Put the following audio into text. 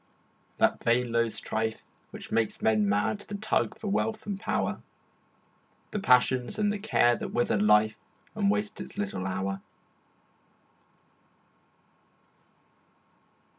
That vain low strife Which makes men mad, the tug for wealth and power, The passions and the cares that wither life And waste its little hour?